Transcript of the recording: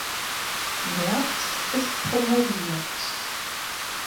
Werth ist promoviert.